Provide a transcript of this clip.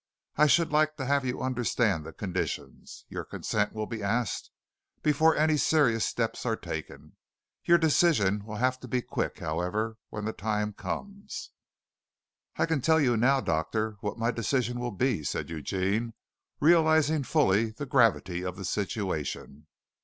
I should like to have you understand the conditions. Your consent will be asked before any serious steps are taken. Your decision will have to be quick, however, when the time comes." "I can tell you now, doctor, what my decision will be," said Eugene realizing fully the gravity of the situation.